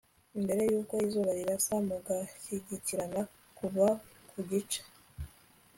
mbere y'uko izuba rirasa, mugashyikirana kuva bugicya